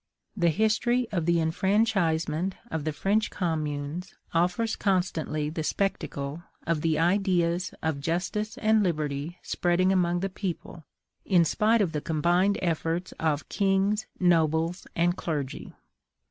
The history of the enfranchisement of the French communes offers constantly the spectacle of the ideas of justice and liberty spreading among the people, in spite of the combined efforts of kings, nobles, and clergy.